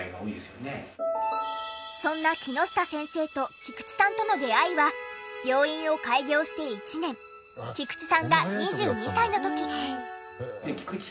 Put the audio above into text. そんな木下先生と菊池さんとの出会いは病院を開業して１年菊池さんが２２歳の時。